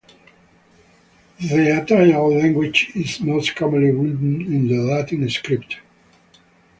The Atayal language is most commonly written in the Latin script.